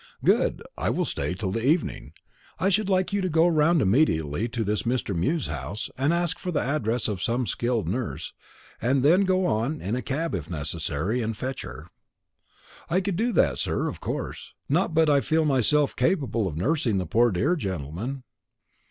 "Good; I will stay till the evening. I should like you to go round immediately to this Mr. Mew's house, and ask for the address of some skilled nurse, and then go on, in a cab if necessary, and fetch her." "I could do that, sir, of course, not but what I feel myself capable of nursing the poor dear gentleman."